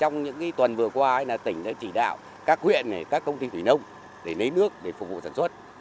trong những tuần vừa qua tỉnh đã chỉ đạo các huyện các công ty thủy nông để lấy nước để phục vụ sản xuất